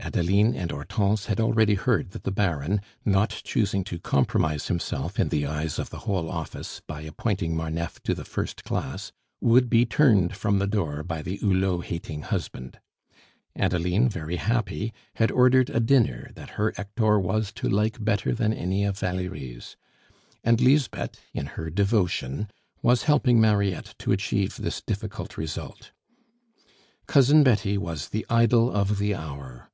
Adeline and Hortense had already heard that the Baron, not choosing to compromise himself in the eyes of the whole office by appointing Marneffe to the first class, would be turned from the door by the Hulot hating husband. Adeline, very happy, had ordered a dinner that her Hector was to like better than any of Valerie's; and Lisbeth, in her devotion, was helping Mariette to achieve this difficult result. Cousin Betty was the idol of the hour.